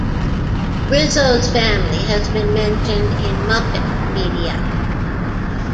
Rizzo's family has been mentioned in Muppet media.